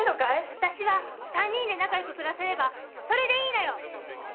あたしは三人で仲よく暮らせればそれでいいのよ！